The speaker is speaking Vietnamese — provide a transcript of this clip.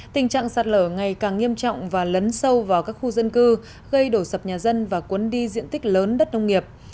tình trạng sạt lở ngày càng nghiêm trọng và lấn sâu vào các khu dân cư gây đổ sập nhà dân và cuốn đi diện tích lớn đất nông nghiệp